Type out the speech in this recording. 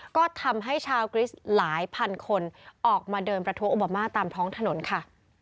ก็ทำให้ชาวกริสต์หลายพันคนออกมาเดินประท้วงโอบามาตามท้องถนนค่ะ